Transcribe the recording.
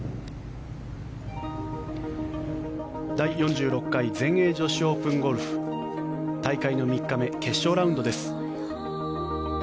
第４６回全英女子オープンゴルフ大会の３日目決勝ラウンドです。